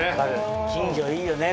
近所いいよね！